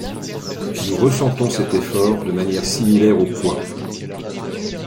Nous ressentons cet effort de manière similaire au poids.